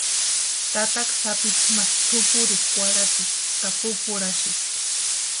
Tataka sapichu ma tʼupurirhu kwarhatsisti ka pupurhasïsti.